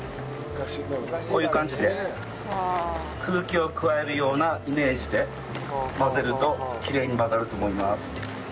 こういう感じで空気を加えるようなイメージで混ぜるときれいに混ざると思います。